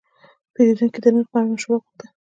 پیرودونکی د نرخ په اړه مشوره وغوښته.